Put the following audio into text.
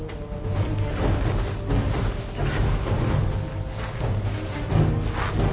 さあ。